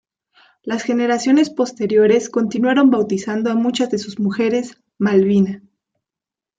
Las generaciones posteriores continuaron bautizando a muchas de sus mujeres "Malvina".